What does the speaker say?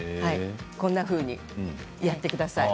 こんなふうにやってください。